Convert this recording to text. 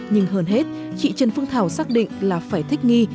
nhưng hơn hết chị trần phương thảo xác định là phải thích nghi